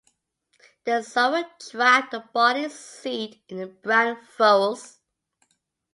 The sower dropped the barley seed in the brown furrows.